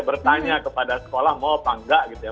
bertanya kepada sekolah mau apa enggak gitu ya